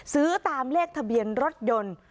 ซื้อตามเลขทะเบียนรถยนต์